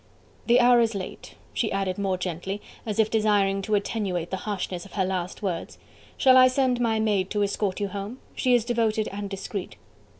The hour is late," she added more gently, as if desiring to attenuate the harshness of her last words. "Shall I send my maid to escort you home? She is devoted and discreet..."